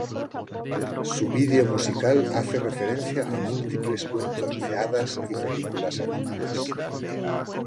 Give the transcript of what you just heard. Su video musical hace referencia a múltiples cuentos de hadas y películas animadas.